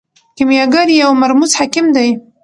کیمیاګر یو مرموز حکیم دی.